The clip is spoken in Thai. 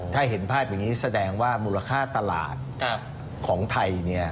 ถ้าเห็นภาพอย่างนี้แสดงว่ามูลค่าตลาดของไทย